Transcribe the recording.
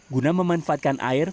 guna memanfaatkan air